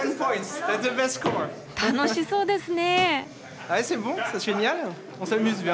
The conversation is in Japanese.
楽しそうですね。